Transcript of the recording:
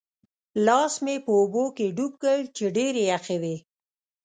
لاس مې په اوبو کې ډوب کړ چې ډېرې یخې وې.